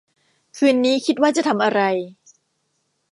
คืนนี้คิดว่าจะทำอะไร